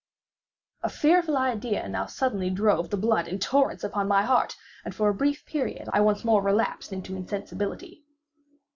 A fearful idea now suddenly drove the blood in torrents upon my heart, and for a brief period, I once more relapsed into insensibility.